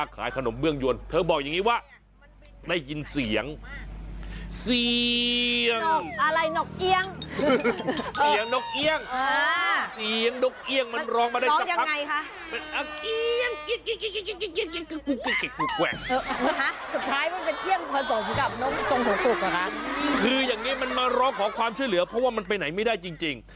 คืออย่างนี้มันมาร้องขอความช่วยเหลือเพราะว่ามันไปไหนไม่ได้จริง